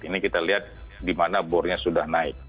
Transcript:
ini kita lihat dimana bornya sudah naik